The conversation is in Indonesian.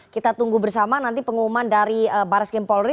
kita tunggu bersama nanti pengumuman dari barres krim polri